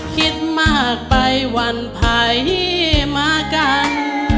คิดมากไปวันพายไม่มากัน